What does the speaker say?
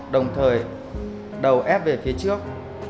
đồng thời đầu ép về phía trước